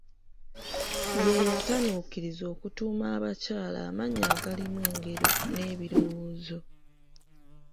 Ye yatanuukiriza okutuuma abakyala amannya agalimu engero n'ebirowoozo.